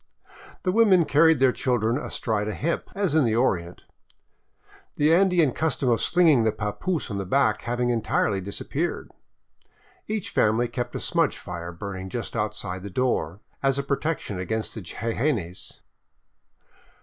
The women carried their children astride a hip, as in the Orient, the Andean custom of slinging the papoose on the back having entirely disappeared. Each family kept a smudge fire burning just outside the door, as a protection against the jejenes.